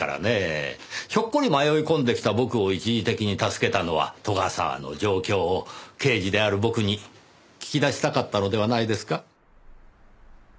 ひょっこり迷い込んできた僕を一時的に助けたのは斗ヶ沢の状況を刑事である僕に聞き出したかったのではないですか？